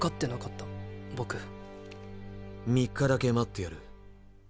僕３日だけ待ってやる。